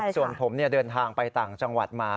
ส่วนผมเดินทางไปต่างจังหวัดมา